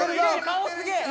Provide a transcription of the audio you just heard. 顔すげぇ。